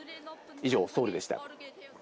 以上、ソウルでした。